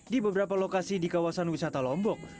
di beberapa lokasi di kawasan wisata lombok